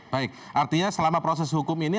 baik artinya selama proses hukum ini